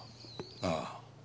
ああ。